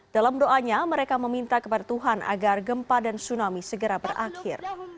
dalam doanya mereka meminta kepada tuhan agar gempa dan tsunami segera berakhir